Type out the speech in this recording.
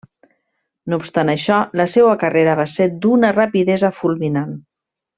No obstant això la seua carrera va ser d'una rapidesa fulminant.